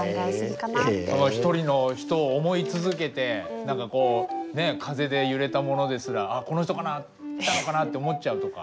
ひとりの人を想い続けて何かこうね風で揺れたものですら「あっこの人かな来たのかな？」って思っちゃうとか。